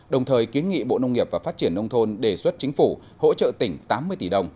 đồng thời kiến nghị bộ nông nghiệp và phát triển nông thôn đề xuất chính phủ hỗ trợ tỉnh tám mươi tỷ đồng